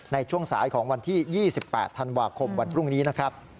ในช่วงสายของวันที่๒๘ธันวาคมวันพรุ่งนี้นะครับ